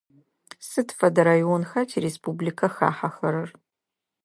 Сыд фэдэ районха тиреспубликэ хахьэхэрэр?